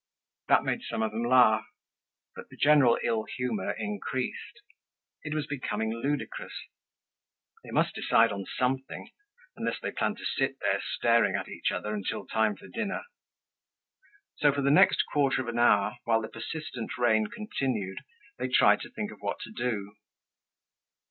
That made some of them laugh; but the general ill humor increased. It was becoming ludicrous. They must decide on something unless they planned to sit there, staring at each other, until time for dinner. So for the next quarter of an hour, while the persistent rain continued, they tried to think of what to do.